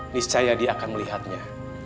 niscaya dia akan melihatnya